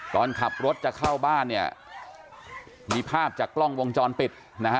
ก่อนขับรถจะเข้าบ้านมีภาพจากกล้องวงจรปิด